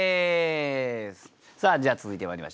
さあじゃあ続いてまいりましょう。